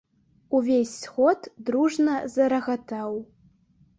Увесь сход дружна зарагатаў.